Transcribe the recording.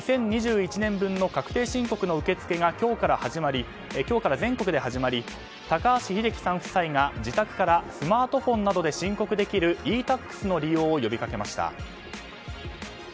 ２０２１年分の確定申告の受付が今日から全国で始まり高橋英樹さん夫妻が自宅からスマートフォンなどで申告できるｅ‐Ｔａｘの利用を呼びかけました。